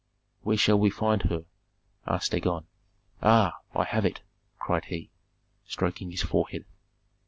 "Where shall we find her?" asked Dagon. "Ah, I have it!" cried he, stroking his forehead.